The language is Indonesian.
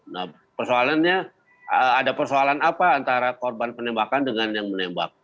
nah persoalannya ada persoalan apa antara korban penembakan dengan yang menembak